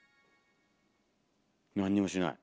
何にもしない。